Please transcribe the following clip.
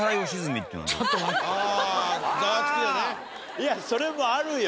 いやそれもあるよ。